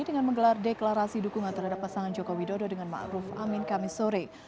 dengan menggelar deklarasi dukungan terhadap pasangan jokowi dodo dengan ma'ruf amin kamisore